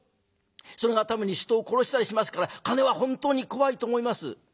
それがたまに人を殺したりしますから金は本当に怖いと思います」。